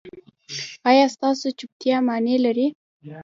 ایا ستاسو چوپتیا معنی لري؟